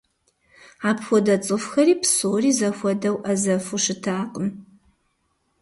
Апхуэдэ цӏыхухэри псори зэхуэдэу ӏэзэфу щытакъым.